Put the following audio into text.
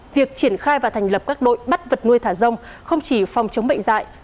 việc triển khai và thành lập các đội bắt vật nuôi thả rông không chỉ phòng chống bệnh dạy